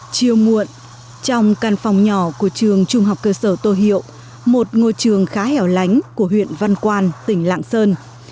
chiều muộn trong căn phòng nhỏ của trường trung học cơ sở tô hiệu một ngôi trường khá hẻo lánh của huyện văn quan tỉnh lạng sơn